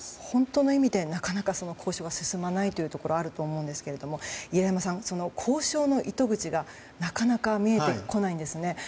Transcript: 本当の意味でなかなか交渉が進まないというところがあると思うんですが入山さん、交渉の糸口がなかなか見えてこないんですね。